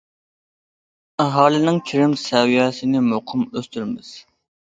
ئاھالىنىڭ كىرىم سەۋىيەسىنى مۇقىم ئۆستۈرىمىز.